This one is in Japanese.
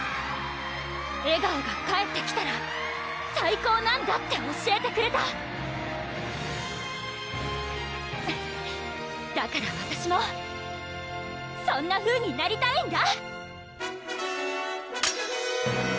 ・笑顔が返ってきたら最高なんだって教えてくれただからわたしもそんなふうになりたいんだ！